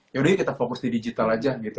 yaudah yuk kita fokus di digital aja gitu